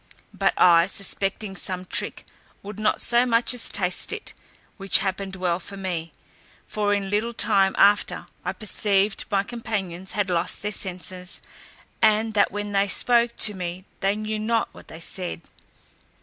But I, suspecting some trick, would not so much as taste it, which happened well for me; for in little time after, I perceived my companions had lost their senses, and that when they spoke to me, they knew not what they said.